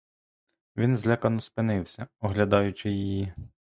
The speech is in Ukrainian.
Він злякано спинився, оглядаючи її.